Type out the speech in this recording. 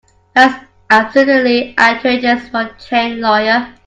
That's absolutely outrageous for a trained lawyer.